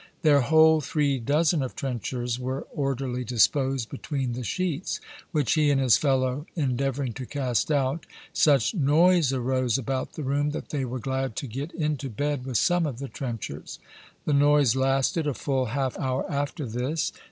Their whole three dozen of trenchers were orderly disposed between the sheets, which he and his fellow endeavoring to cast out, such noise arose about the room, that they were glad to get into bed with some of the trenchers. The noise lasted, a full half hour after this.